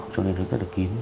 cho nên là rất là kín